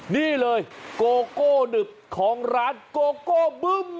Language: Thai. นี่เลยโกโก้นึบของร้านโกโก้บึ้ม